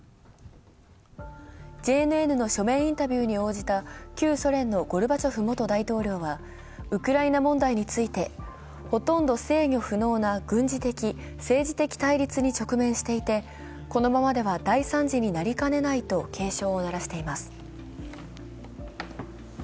ＪＮＮの書面インタビューに応じた旧ソ連のゴルバチョフ元大統領はウクライナ問題について、ほとんど制御不能な軍事的・政治的対立に直面していて、このままでは大惨事になりかねないと警鐘を鳴らしています。